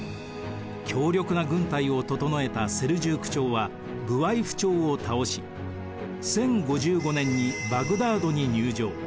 強力な軍隊を整えたセルジューク朝はブワイフ朝を倒し１０５５年にバグダードに入場。